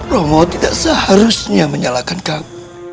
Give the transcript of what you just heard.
romo tidak seharusnya menyalahkan kami